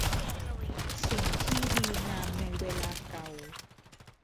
สิ่งที่ดีงามในเวลาเก่า